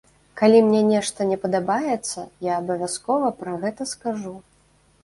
Калі мне нешта не падабаецца, я абавязкова пра гэта скажу.